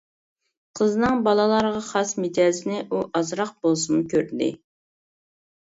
قىزنىڭ بالىلارغا خاس مىجەزىنى ئۇ ئازراق بولسىمۇ كۆردى.